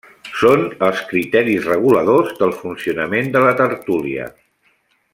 Són els criteris reguladors del funcionament de la tertúlia.